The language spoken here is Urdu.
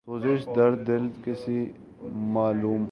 سوزش درد دل کسے معلوم